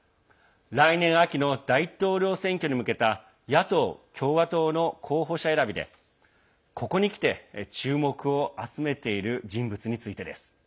来年秋の大統領選挙に向けた野党・共和党の候補者選びでここにきて、注目を集めている人物についてです。